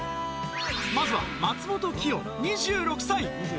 まずは松本妃代２６歳。